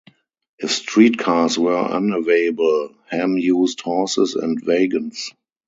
If street cars were unavailable, Ham used horses and wagons.